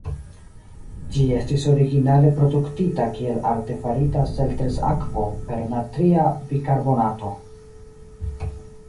Ĝi estis originale produktita kiel artefarita Selters-akvo per natria bikarbonato.